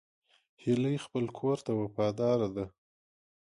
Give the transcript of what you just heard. هیلۍ خپل کور ته وفاداره ده